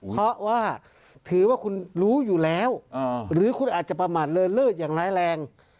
เพราะว่าถือว่าคุณรู้อยู่แล้วหรือคุณอาจจะประมาทเลินเลิศอย่างร้ายแรง